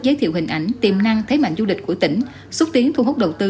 giới thiệu hình ảnh tiềm năng thế mạnh du lịch của tỉnh xúc tiến thu hút đầu tư